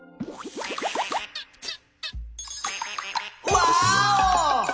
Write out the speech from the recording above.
ワーオ！